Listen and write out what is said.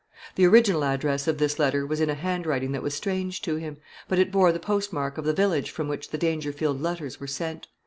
The original address of this letter was in a handwriting that was strange to him; but it bore the postmark of the village from which the Dangerfield letters were sent.